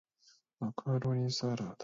マカロニサラダ